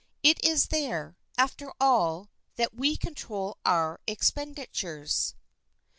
It is there, after all, that we control our expenditures.